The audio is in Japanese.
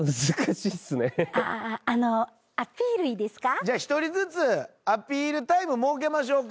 じゃあ一人ずつアピールタイム設けましょうか。